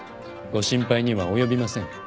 ご心配には及びません。